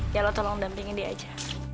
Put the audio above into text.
ya lo tolong dampingin dia aja